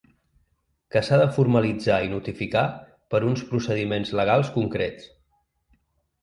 Que s’ha de formalitzar i notificar per uns procediments legals concrets.